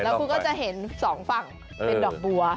แล้วคุณก็จะเห็นสองฝั่งเป็นดอกบัว